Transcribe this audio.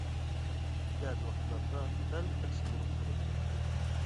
بەزى ۋاقىتلاردا دەل ئەكسى بولۇپ قالىدۇ.